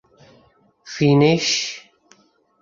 Finnish